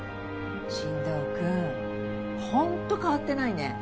新藤君ほんと変わってないね。